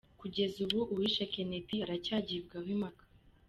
Kugeza n’ubu uwishe Kennedy aracyagibwaho impaka.